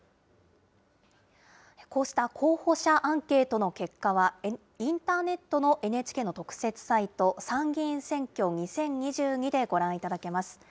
こうした候補者アンケートの結果は、インターネットのＮＨＫの特設サイト、参議院選挙２０２２でご覧いただけます。